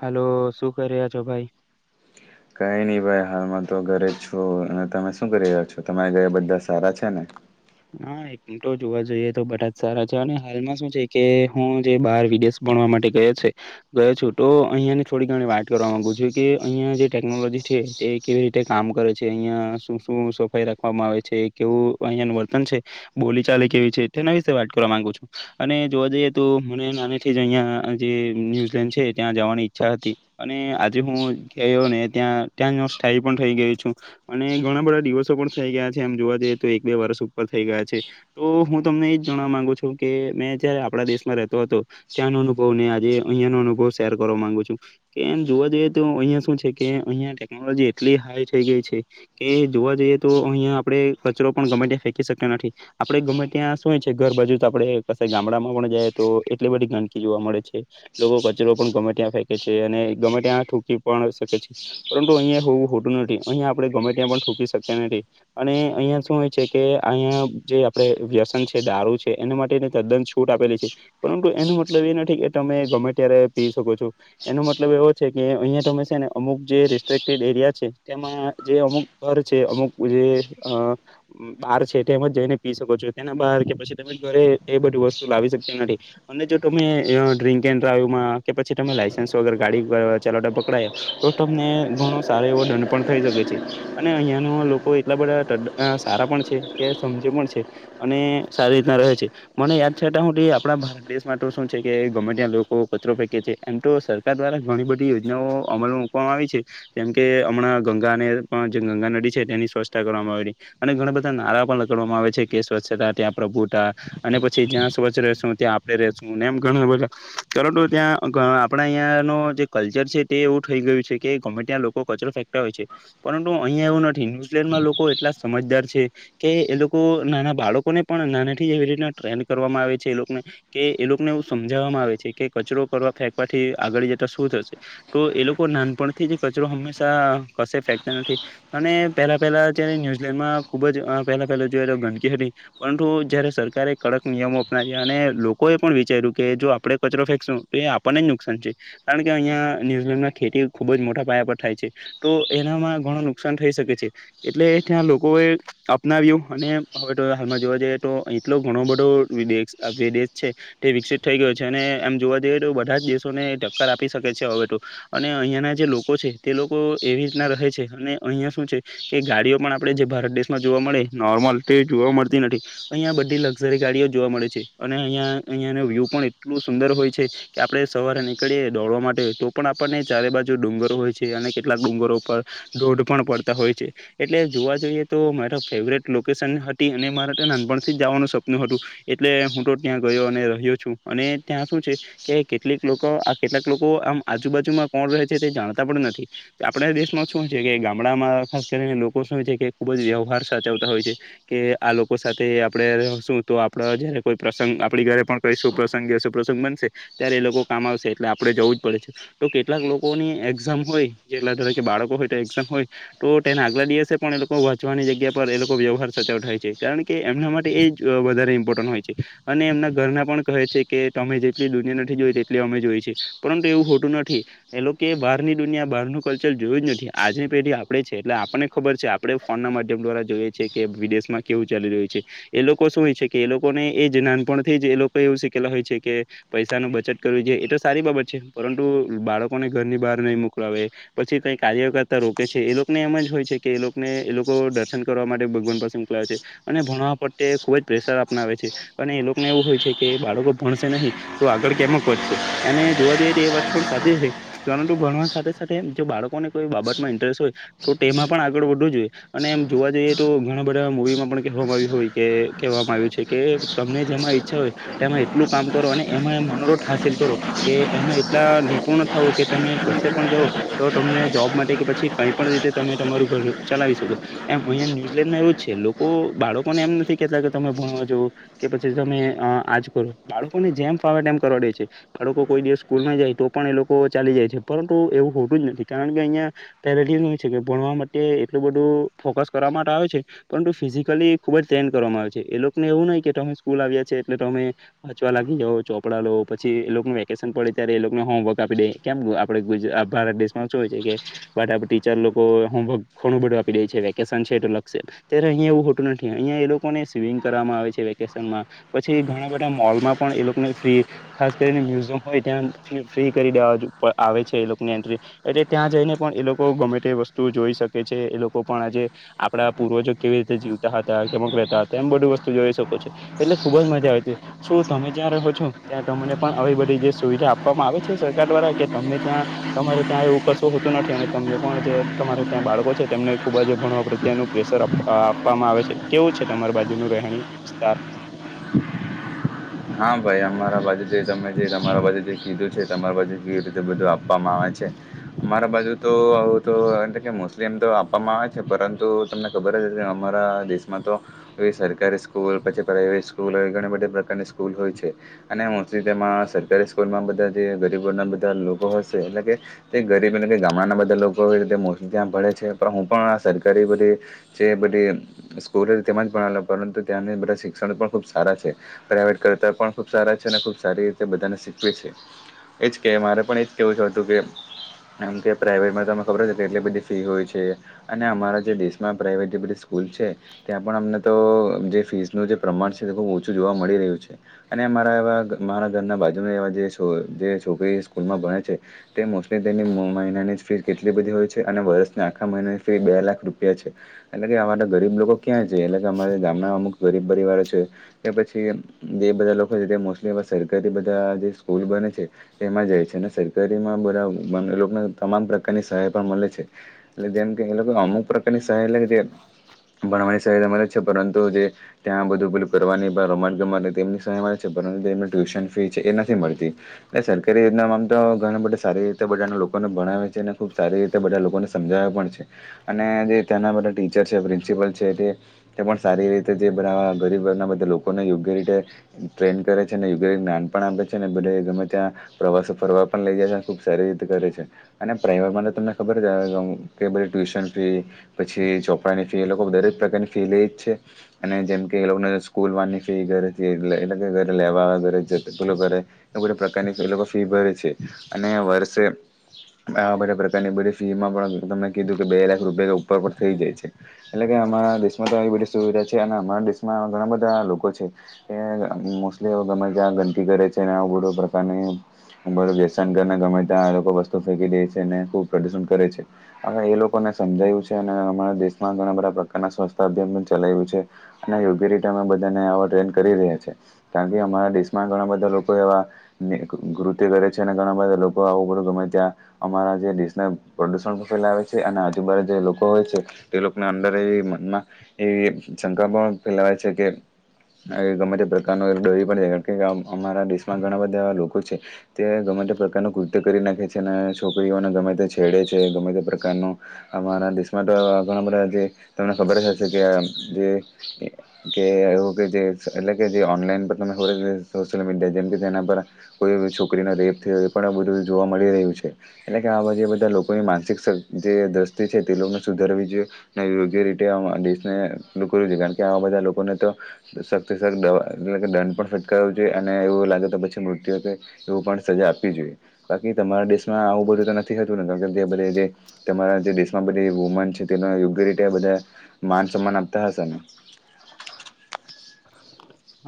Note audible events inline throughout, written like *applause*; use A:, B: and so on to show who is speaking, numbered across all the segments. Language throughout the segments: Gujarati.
A: હલો શું કર્યા છો ભાઈ
B: કઈ નહી ભાઈ હાલમાં તો ઘરે જ છું અને તમે શું કરી રહ્યા છો તમારા ઘરે બધા સારા છે ને
A: હા એક તો જોવા જોઈએ તો બધા જ સારા છે અને હાલમાં શું છે કે હું જે બાર વિદેશ ભણવા માટે ગયો છે ગયો છું તો અહિયા ને થોડી ઘણી વાત કરવા માંગુ છું કે અહિયા જે ટેકનોલોજી છે એ કેવી રીતે કામ કરે છે અહિયા શું શું સફાઈ રાખવામાં આવે છે કેવું અહિયાંનું વર્તન છે બોલી ચાલી કેવી છે તેના વિશે વાત કરવા માંગુ છું અને જોવા જઈએ તો મને નાને થી જ અહીંયા જે ન્યુઝીલેન્ડ છે ત્યાં જવાની ઈચ્છા હતી અને આજે હું થયો ને ત્યાં ત્યાંનો સ્થાઈ પણ થઈ ગયું છું અને ઘણા બધા દિવસો પણ થઈ ગયા છે એમ જોવા જઈએ તો એક બે વર્ષ ઉ પર થઈ ગયા છે તો હું તમને એ જ જાણવા માંગુ છું કે મેં જારે આપણા દેશમાં રહેતો હતો ત્યાં નો અનુભવ ને આજે અહિયાં નો અનુભવ શેર કરવા માંગુ છું કે એમ જોવા જઈએ તો અહિયાં શું છે કે અહિયાં ટેકનોલોજી એટલી હાઈ થઈ ગઈ છે કે જોવા જઈએ તો અહિયાં આપડે કચરો પણ ગમેે ત્યાં ફેં શક્યા નથી આપડે ગમે ત્યાં શું હોય છે ઘર બાજુ તો આપણે કસે ગામડામાં પણ જાય તો એટલી બધી ગંદકી જોવા મળે છે લોકો કચરો પણ ગમે ત્યાં ફેકે છે અને ગમે ત્યાં થુંકી પણ શકે છે. પરંતુ અહિયા હોવું હોતું નથી અહિયા આપડે ગમે ત્યાં પણ થુંકી શક્યા નથી અને અહિયાં શું હોય છે કે અહીં જે આપણે વ્યસન છે દારૂ છે એના માટે તદ્દન છૂટ આપેલી છે પરંતુ એ મતલબ એ નથી કે તમે ગમે ત્યારે પી શકો છો એનો મતલબ એવો છે કે અહિયાં તમે છે ને અમુક ર એરિયા છે તેમાં જે અમુક ઘર છે અમુક જે બહાર છે તે એમ જઈને પી શકો છો તેના બહાર કે પછી તમે ઘરે એ બધી વસ્તુ લાવી શકતા એમ નથી. અને જો તમે ડ્ર્રીક એડ ડ્રમાં કે પછી તમે લાયસન્સ વગર ગાડી ચલાવતા પકડાયા ને ઘણો સારો એવો દંડ પણ થઈ શકે છે અને અહિયાં ન લોકો એટલા બધા સારા પણ છે કે સમજે પણ છે અને સારી રીતના રહે છે મને યાદ છેતા મોટી આપણા ભારત દેશમાં તો શું છે કે ગમે ત્યાં લોકો કચરો ફેકે છે એમ તો સરકાર દ્વારા ઘણી બધી યોજનાઓ અમલ વામાં આવી છે કેમ કે હમણાં ગંગા ને પણ જે ગંગા નદી છે તેની સ્વચ્છતા કરવામાં આવેલી અને ઘણા બધા નારા પણ લગાડવામાં આવે છે કે સ્વચ્છતા ત્યાં પ્રભુતા અને પછી જ્યાં સ્વચ્છ રહેશું ત્યાં આપશું એમ ઘણા બધા પરંતુ ત્યાં આપણા અહં ન જે કલ્ચર છે તે એવું થઈ ય કે ગમે ત્યાં લોકો કચરો ફેકતા હોય છે પરંતુ અહિયાં એવું નથી ન્યુઝીલેન્ડમાં લોકો એટલા સમજદાર છે કે એ લોકો નાના બાળકોને પણ નાના થી જ એવી રીતના ટ્રેન કરવામાં આવે છે એ લોકોને કે એ લોકોને એવું સમજાવવામાં આવે છે કે કચરો કરવા ફેકવાથી આગળ જતા શું થશે તો એ લોકો નાનપણથી જ કચરો હંમેશા કશે ફેંકતા નથી અને પેલા પહેલા જ્યારે માં ખૂબ જ પહેલા પહે જોઈએ તો ગંદકી હતી હતી પરંતુ જયારે સરકારે કડક નિયમો અપનાવ્યા અને લોકો એ પણ વિચાર્યું કે જો આપડ કચરો ફેંકશું તો એ આપણને જ નુકસાન છે કારણ કે અહીયાં ન્યુઝીલેનડ ખેતી ખુબ જ મોટા પાયા પર થાય છે તો એનામાં ઘણું નુકસાન થઈ શકે છે એટલે ત્યાં લોકો એ અપનાવ્યું અને હવે તો હાલમાં જોવા જઈએ તો એટલો ઘણો બધો બે દેશ છે તે વિકસિત થઈ ગયો છે અને એમ જોવા જઈએ તો બધા જ દેશોને ટક્કર આપી શકે છે હવે તો અને અહંના જે લોકો છે તે લોકો એવી રીતના રહે છે અને અહિયાં શું છે કે ગાડીઓ પણ આપણે જે ભારત દેશમાં જોવા મળે નોર્મલ તે જોવા મળતી નથી અહીિયાં બધી લક્ઝરી ગાડીઓ જોવા મળે છે. અને અહીંયા અહીંયાનો વ્યૂ પણ એટલું સુંદર હોય છે કે આપણે સવારે નીકળીએ દોડવા માટે તો પણ ચારે બાજુ ડુંગર હોય છે અને કેટલાક ડુંગરો ઉપર દોઢ પણ પડતા હોય છે એટલે જોવા જઈએ તો મારા ફેવરેટ લોકેશન હતી અને મારે નાનપણથી જ જવાનું સપનું હતું એટલે હું તો ત્યાં ગયો અને રહ્યો છું અને ત્યાં શું છે કે કેટલીક લોકો આ કેટલાક લોકો આમ આજુ બાજુમાં કોણ રહે છે તે જાણતા પણ નથી આપણા દેશમાં શું છે કે ગામડામાં ખાસ કરીને શું કે ખુબ જ વ્યવહાર સાચવતા હોય છે કે આ લોકો સાથે આપડણે શું તો આપડા જ કોઈ પ્રસંગ આપણી ઘરે પણ કઈ સુું પ્રસંગ એ શું પ્રસંગ બનશે ત્યારે એ લોકો કામ આવશે એટલે આપડે જવું જ પડે. તો કેટલાક લોકોની એક્ઝામ હોય જેટલાકે બાળકો હોય તો એક્ઝામ હોય તો તેને આગલા દિવસ પણ એ લોકો વાંચવાની જગ્યા પર એ લોકો વ્યવહાર સચવ થાય છે કારણ કે એમના માટે એ જ વધારે ઇમ્પોર્ટન્ટ હોય છે. અને એમના ઘરના પણ કહે છે કે તમે જેટલી દુનિયા નથી જોય તેટલી અમે જોઈ છે પરંતુ એવું હોતુ નથી એ લોકો બારની દુનિયા બારનું કલ્ચર જોયું જ નથી આજની પેઢી આપણેે છે એટલે આપણને ખબર છે આપણે ફોન ના માધ્યમ દ્વારા જોઈએ છ છે કે વિદેશમાં કેવું ચાલી રહ્યું છે એ લોકો શું છે કે એ લોકો એ જ નાનપણથી જ એ લોકો એવું શીખેલા હોય છે કે પૈસા નું બચત કરવું જોઈએ એ તો સારી બાબત છે. બાળકોને ઘરની બહાર નહી મોકલાવે પછી કઈ કાર્ય કરતા રોકે છે એ લોકોને એમ જ હોય છે. કે એ લોકોને એ લોકો દર્શન કરવા માટે ભગવાન પાસે મોકલાવે છે અને ભણવા તે ખુબ જ પ્રેશર અપનાવે છે. અને એ લોકોને એવું હોય છે કે બાળકો ભણશે નહીં તો આગળ કેમક વધશે એને જોવા દઈએ એ વાત પણ સાચી છે પરંતુ ભણવા સાથે સાથે જો બાળકો ને કોઈ બાબતમાં ઇન્ટરેસ્ટ હોય તો તેમાં પણ આગળ વધવું જોઈએ અને એમ જોવા જઈએ તો ઘણા બધા મુવી માં પણ કહેવામાં આવ્યું હોય કે કહેવામાં આવ્યું છે. કે તમને જેમાં ઈચ્છા હોય તેમાં એટલું કામ કરો અને એમાં મનોરોઠ હાસિલ કરો કે એમાં એટલા નિપુર્ણ થવું કે તમે કસે પણ જાાવ તો તમને જોબ માટે કે પછી કઈ પણ રીતે તમે તમારું ઘર ચલાવી શકો એમ અહિયાં ન્યુઝીલેન્ડમાં એવ છે લોકો બાળકો ને એમ નથી કેતા કે તમે ભણો. કે પછી તમે આજ કરો બાળકોને જેમ ફાવેમ કરવાડે છે બાળકો કોઈ દિવ સ્કૂલ જાય તો પણ એ લોકો ચાલી જાય છે પરંતુ એવું હોતું જ નથી કારણ કે અહિયાં પેલે થી એજ હોય છે. ભણવા માટે એટલું બધું ફોકસ કરવા માટે આવે છે પરંતુ ફિઝિકલી ખૂબ જ ટ્રેન કરવામાં આવે છે એ ને એવું ન કે તમે સ્કૂલ આવ્યા છે એટલે તમે વાંચવા લાગી જાઓ ચોપડા લો પછી એ લોકો વેકેશન પડે. ત્યારે એ લોકોને હોમવર્ક આપી દે કેમ આપે ભારત દેશમાં શું હોય છે બધા ટીચર લોકો હોમવર્ક ઘણું બડું આપી દે વેકેશન છે એ લશે ત્યારે અહંયા એવું હોતું નથી અહિયાં એ લોકોને સ્વિમિંગ કરવામાં આવે છે વેકેશન માં પછી ઘણા બધા મોલમાં પણ એ લોકો ને ફ્રી ખાસ કરીને મ્યુઝયમ કે ત્યાં ફી-ફ્રી કરી દેવા અજ આવે છે એ લોકોની એન્ટ્રી. એટલે ત્યાં જઈને પણ એ લોકો ગમે તે વસ તુ જોઈ શકે છે. એ લોકો પણ આજે આપડા પૂર્વજો કેવી રીતે જીવતા હતા કેમક રહેતા હતા એમ બધું વસ્તુ જોઈ શકે છે. એટલે ખુબ જ મજા આવે છે. શું તમે જ્યાં રહો છો ત્યાં તને પણ આવી બધી જે સુ વિધા આપવામાં આવે છે સરકાર દ્વારા કે તમને ત્યાં તમારે ત્યાં આવું કશું હોતું નથી અને તમને પણ જે તમારે ત્યાં બાળકો છે તેમને ખુબ જ ભણવા પ્રત્યેનું પ્રેશર આપ-આપવામાં આવે છે. કેવું છે તમારી બાજુનું ર હેણી વિસ્તાર.
B: *unintelligible* હા ભાઈ અમારા પાસે જે તમે જે તમારા પાસે જે કીધું છે તમારા પાસે કેવી રીતે બધું આપવામાં આવે છે. મારા બાજુ તો હવે તો એમ તો મોસ્ટલી તો આપવામાં આવે છે પરંતુ તમને ખબર લે અમારા દેશમાં તો સરકારી સ્કૂલ પછી પ્રાઈવેટ સ્કૂલ ઘણી બધી પ્રકારની સ્કૂલ હોય છે અને મોસ્ટલી તેમાં સરકારી સ્કૂલમાં બધા જે ગરીબ વર્ગના બધા લોકો હશે એટલે કે તે ગરીબીને કે ગામડાના બધા લોક કો એવી રીતે મોસ્ટલી ત્યાં ભણે છે પણ હું પણ આ સરકારી બધી જે બધી સ્કૂલજ તેમાં ભેણેલું પરંતુ ત્યાં ને બધા શિક્ષણ પણ ખબ સારા છે. પર કરતા પણ ખૂબ સારા છે અને ખૂબ સારી રીતે બધાને શીખવે છે. એજ કે મારે પણ એજ કેવું હતું કેમ કે પ્રાઈવેટમાં તો ત ખબર છે એટલે બધી ફી હોય છે અને અમારા જે દેશમાં પ્રાઇવેટ જે બધી સ્કૂલ છે ત્યાં પણ અમને તો જે ફીસનું જે પ્રમાણ છે તે ખુબ ઓછું જોવા મળી રહ્યું છે. અને મારાવા એવા મારા ઘરના બાજુ છોકરી એવા જે છો કે છોકરી સ્કૂલમાં ભણે છે તે મોસ્ટલી તેની મો મહિનાની ફી કેટલી બધી હોય છે અને વર્ષની આખા મહિનાની ફી બે લાખ રૂપિયા છે. એટલે કે અમારા ગરીબ લોકો ક્યાં છે એટલે કે અમારા ગામના અમુક ગરીબ પરિવારો છે કે પછી જે બધા લોકો છે તે મોસ્ટલી સરકારી બધા જે સ્કૂલ બને છે એમાં જાય છે અને સરકારીમાં બધા એ લોકોને તમામ પ્રકારની સહાય પણ મળે છે એટલે જેમ કે એ લોકો અમુક પ્રકારની સહાય લે કો જે ભણવાની સહાયતા મલે છે પરંતુ જે ત્યાં બધું બલું કરવાની રોમાચ ગવા તેમની સાય મળે છે પરંતુ તેમને ટ્યુશન ફી છે એ નથી મળતી એ સરકારી યોજનામ તો ઘણા બા સ રી બધા લોકોને ભણાવે છે અને ખૂબ સારી રીતે બધા લોકોને સમજાવે પણ છે અને જે તેના બધા ટીચર છે પ્રિન્સિપલ છે તે તે પણ સારી રીતે જે બવા ગરીબ વર્ગના બધા લોકોને યોગ્ય રીતે ટ્રેન કરે છે ને યુગ નામ પણ આપે છે ને બધા ગમે ત્યાં પ્રવાસો ફરવા પણ લઇ જાય છે ને ખૂબ સારી રીતે કરે છે અને પ્રાવેટમાં તો તમને ખબર જ કે ભઈ ટ્યુશન ફી પછી ચોપડાની ફી એ લોકો બરે જ પ્રકારની ફી લે જ છે અને જેમકે એ લોકોને સ્કૂલ વાનની ફી ઘરે એટલે ઘરે લેવા આવે ઘરે જે પેલો ઘરે એ બધા પ્રકારની એ લોકો ફી ભરે છે અને આ વરસે આવા બધા પ્રકારની બધી ફી માં પણ તમે કીધું કે બે લાખ રૂપિયા ઉપર પર થઈ જાય છે. એટલે કે આમાં દેશમાં તો આવી બધી સુવિધા છે અને અમારા દેશમાં ઘણા બધા લોકો છે. એ અહ મોસ્ટલી એ ગમે ત્યાં ગંદકી કરે છે એને આવું બધા પ્રકારની બડ વ્યસન કર ને ગમે ત્યાં લોકો વસ્તુ ફેંકી દે છે ને પ્રદુષણ કરે છે એ લોકોને સમજાયું છે અને અમારા દેશમાં ઘણા બધા પ્રકારના સ્થ *inaudible* ચલાવ્યું છે અને યોગ્ય રીતે અમે બધાને આવા ટ્રેન કરી રહ્યા છે. કારણ કે અમારા દેશમાં ઘણા બધા લોકો એવા ને કૃત્ય કરે છે અને ઘણા બધા લોકો આવવું ગમે ત્યાં અમારા જે દેશ ને પ્રદુષણ પણ ફેલાવે છે અને આજુબાજુ જે લોકો હોય છે તે લોકોને અંદર એવી મનમાં એવી શંકા પણ ફેલાય છે કે એ ગમે તે પ્રકારનો એક ડોહી *inaudible* અમારા દેશમાં ઘણા બધા લોકો છે તે ગમે પ્રકાર ન કૃત્ય કરી નાખે છે અને છોકરીઓને ગમે તે છેડે છે ગમે તે પ્રકાર ન અમારા દેશમાં તો ઘણા બધા જે ના ખબર હશે કે આહ જે ને કે હો કે જે એટલે કે જે ઓનલાઈન પર તમે ખબર સોશિયલ મીડિયા જેમ કે એના પર કોઈ છોકરીનો રેપ થયું એવું પણ બધું જોવા મળી રહ્યું છે એટલે કે આ જે બધા લોકોની માનસિક સે જે દ્રષ્ટિ છે તે બહુ ને સુધારવી જોઈએ અને યોગ્ય રીતે દેશને કરવ જોઈએ કારણ કે આવા બધા લોકોને તો સખત સખ દ એટલે દંડ પણ ફટકાવું જોઈએ અને એવું લાગે તો પછી મૃત્યુ કે એવું પણ સજા આપવી જોઈએ બાકી તમારા દેશમાં આવું બધું તો નથીતુંને કાર બધ તમારા જે દેશમાં બધ વુમન છે તે યોગ્ય રીતે બધા માન સન્માન આપતા હશે ને
A: *inaudible*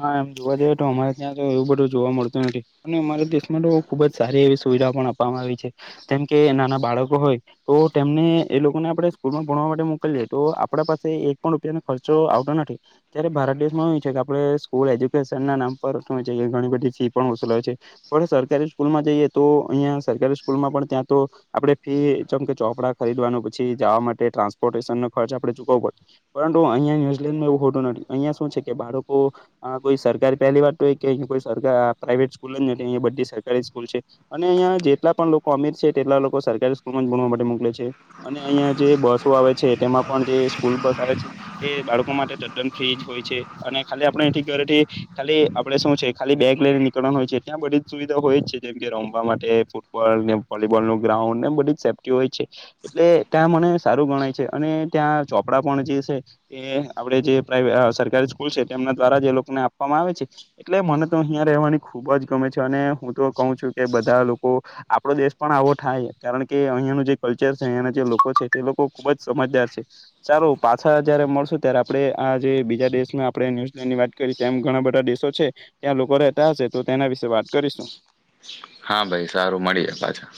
A: હા એમ જોવા જઈએ તો અમારે ત્યાં તો એવું બધું જોવા મળતું નથી અને અમારા દેશમાં તો ખુબ જ સારી એવી સુવિધા પણ આપવામાં આવી છે જેમ કે નાના બાળકો હોય તો તેમને એ લોકોને આપણે સ્કૂલમાં ભણવા તો આપ પાસે એક પણ રૂપિયા ખર્ચો આવતો નથી ત્યારે ભારત દેશમાં એ છે કે આપણે સ્કૂલ એજ્યુકેશન ના નામ પર શું ઘણી બધી ફી પણસલાવે છે પણ સરકારી સ્કૂલમાં જઈએ તો અહિયાં સરકારી સ્કૂલમાં પણ ત્યાં તો આપડે ફી જેમ કે ચોપડા ખરીદવાનું પછી જવા માટે ટ્રાન્સપોર્ટ ખર્ચ આપણે ચુકવ પડ પરંતુ અહં ન્યુઝીલેન્ડમાં એવું હોતું નથી અહિયાં શું છે કે બાળકો કોઈ સરકારી પહેલી વાત તો હોય કે અહીં કો સર પ્રાવેટ સ્કૂલ જ નથી અયા બધી સરકારી સ્કૂલ છે અને અ જેટલા પણ લોકો અમીર છે તેટલા લોકો સરકારી સ્કૂલ માં જ ભણવા માટે મોકલે છે અને અહિયાં જે બસો આવે છે છે તેમાં પણ જે સ્કૂલ બસ આવે છે તે બાળકો માટે તદ્દન ફ્રીજ હોય છે અને ખાલી આપણે ખાલી આપણે શું છે ખાલી બેગ લઈને નીકળવાનું હોય છે ત્યાં બધી જ સુવિધા હોય જ છે જેમ કે રમવા માટે ફૂટબોલ નેો બોલ નું ગ્રાઉન્ડ બધી જ સેફ્ટી હોય છે એટલે ત્યાં મને સારું ગણાય છે અને ત્યાં ચોપડા પણ જે છે એ આપડે જે સરકારી સ્કૂલ છે તેમના દ્વારા જે લોકો આપવામાં આવે છે એટલે મને તો અહં રહેવાની ખુબ જ ગમે છે અને હું તો કહું છું કે બધા લોકો આપડો દેશ પણ આવો થાય કારણ કે અહિયાંનું જે કલ્ચર છે અહંના જે લોકો છે તે લોકો ખુબ જ સમજ દાર ચાલો પાછા જયારે મળશો ત્યારે આપડે આ જે બીજા દેશ આપણે ન્યુઝીલેન્ડ ની વાત કરી ઘણા બધા દેશો છે ત્યાં લોકો રહેતા હશે તો તેના વિશે વાત કરીશું
B: હા ભાઈ સારું મળી જ પાછા